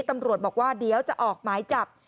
ตำรวจบอกว่าเดี๋ยวจะออกหมายจับ